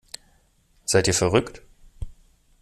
Seid ihr verrückt?